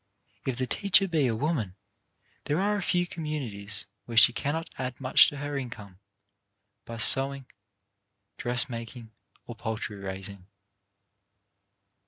If the teacher be a woman, there are few commu nities where she cannot add much to her income by sewing, dressmaking or poultry raising.